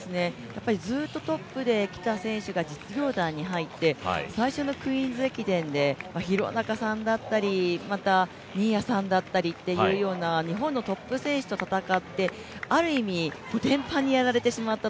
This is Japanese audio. ずっとトップできた選手が実業団に入って最初のクイーンズ駅伝で廣中さんだったり新谷さんだったりという日本のトップ選手と戦って、ある意味コテンパンにやられてしまった、